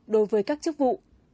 đối với các chức vụ